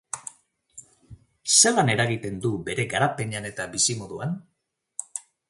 Zelan eragiten du bere garapenean eta bizimoduan?